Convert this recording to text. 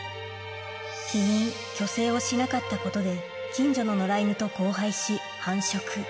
避妊去勢をしなかったことで、近所の野良犬と交配し、繁殖。